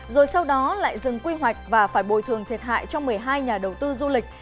rồi sau đó lại dừng quy hoạch và phải bồi thường thiệt hại cho một mươi hai nhà đầu tư du lịch